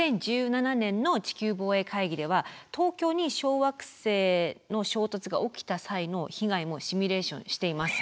２０１７年の地球防衛会議では東京に小惑星の衝突が起きた際の被害もシミュレーションしています。